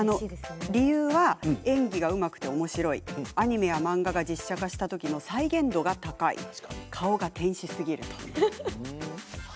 理由は演技がうまくておもしろいアニメや漫画が実写化したときの再現度が高い顔が天使すぎる。